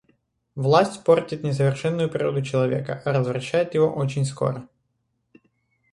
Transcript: Власть портит несовершенную природу человека, развращает его очень скоро.